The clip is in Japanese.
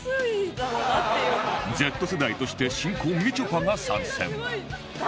Ｚ 世代として新婚みちょぱが参戦